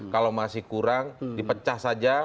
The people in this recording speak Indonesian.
kalau masih kurang dipecah saja